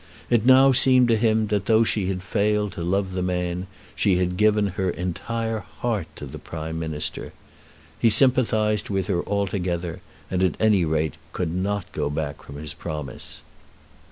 It now seemed to him that though she had failed to love the man, she had given her entire heart to the Prime Minister. He sympathised with her altogether, and, at any rate could not go back from his promise.